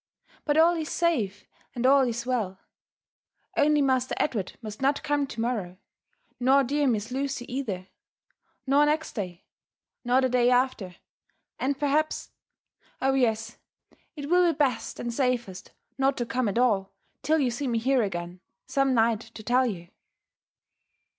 — But all is safe, and all is well; only Master Edward must not come to morrow, nor dear Miss Lucy either — nor neit day, nor the day after « and perhaps Oh, yes 1 ^— it will be best and safest not to come at all till you see me here again some night to tell you."